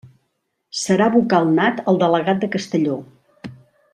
Serà vocal nat el delegat de Castelló.